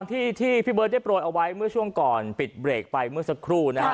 ที่พี่เบิร์ตได้โปรยเอาไว้เมื่อช่วงก่อนปิดเบรกไปเมื่อสักครู่นะฮะ